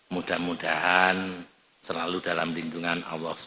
mudah mudahan selalu dalam lindungan allah swt